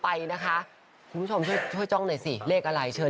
อันนั้นโหไม่อีกตัวเนื้อ